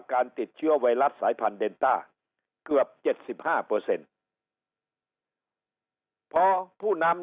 การติดเชื้อไวรัสสายพันธุเดนต้าเกือบ๗๕พอผู้นำ